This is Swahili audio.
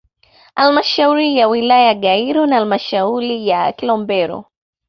Halmashauri ya wilaya ya Gairo na halmashauri ya wilaya ya Kilombero